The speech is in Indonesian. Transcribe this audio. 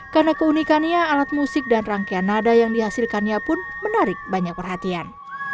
karena keunikannya alat musik dan rangkaian nada yang dihasilkannya pun menarik banyak perhatian